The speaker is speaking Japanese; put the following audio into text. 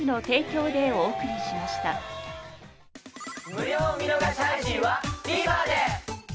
無料見逃し配信はＴＶｅｒで。